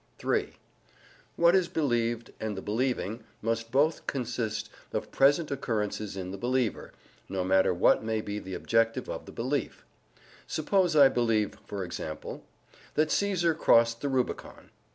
(3) What is believed, and the believing, must both consist of present occurrences in the believer, no matter what may be the objective of the belief. Suppose I believe, for example, "that Caesar crossed the Rubicon."